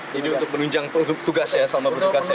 jadi untuk menunjang tugas ya selama berdikas ya